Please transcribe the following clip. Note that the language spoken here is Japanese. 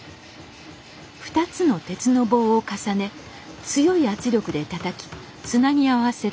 ２つの鉄の棒を重ね強い圧力でたたきつなぎ合わせる